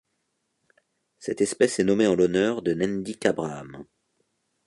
Cette espèce est nommée en l'honneur de Nendick Abraham.